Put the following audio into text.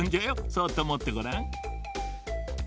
そっともってごらん。